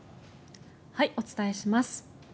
お伝えします。